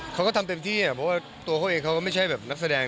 เขาก็ทำเต็มที่เพราะว่าตัวเขาเองเขาก็ไม่ใช่แบบนักแสดง